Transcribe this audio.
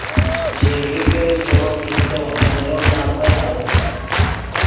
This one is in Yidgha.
ژینگیکے ژے ون پیستو مولو نکوئے آغت